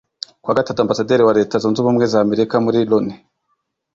kuwa Gatatu Ambasaderi wa Leta Zunze Ubumwe za Amerika muri Loni